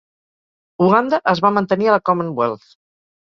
Uganda es va mantenir a la Commonwealth.